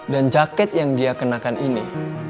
dan jaket yang dia kenakan ini